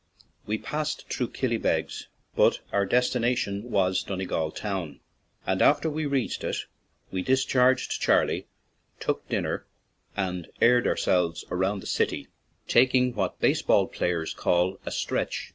We passed through Killybegs, but our des tination was Donegal (town), and after we reached it we discharged Charley, took din ner, and aired ourselves round the city, tak ing what base ball players call a "stretch."